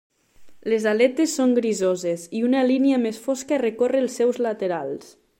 Les aletes són grisoses, i una línia més fosca recorre els seus laterals.